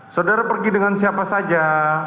saudara pergi dengan siapa saja